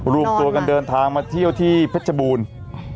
รูปตัวกันเดินทางมาเที่ยวที่เพชรบูรณ์นอนแล้ว